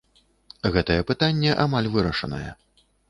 Гэтае пытанне амаль вырашанае.